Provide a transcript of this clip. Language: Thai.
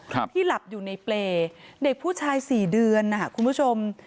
ที่หลับอยู่ในเปรย์เด็กผู้ชายสี่เดือนนะฮะคุณผู้ชม